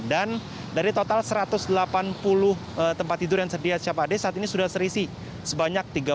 dan dari total satu ratus delapan puluh tempat tidur yang sedia secapa ad saat ini sudah terisi sebanyak tiga puluh empat